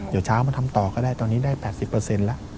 เดี๋ยวเขาทำต่อก็ได้ตอนนี้ได้๘๐ละ